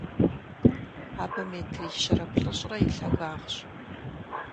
Абы метрищэрэ плӏыщӏрэ и лъагагъщ.